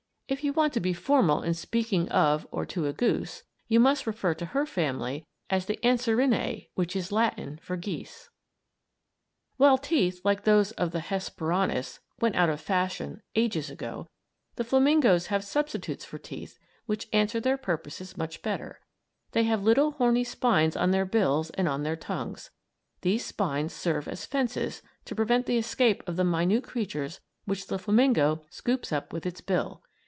If you want to be formal in speaking of or to a goose you must refer to her family as the Anserinæ which is Latin for "geese." [Illustration: WHERE THE FLAMINGO KEEPS ITS TEETH While teeth, like those of the Hesperornis, went out of fashion ages ago, the flamingoes have substitutes for teeth which answer their purposes much better. They have little horny spines on their bills and on their tongues. These spines serve as fences to prevent the escape of the minute creatures which the flamingo scoops up with its bill.